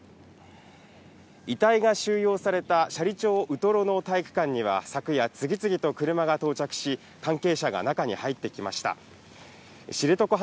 遺体が収容された斜里町ウトロの体育館には昨夜次々と車が到着し、関係者が中に入っていきました。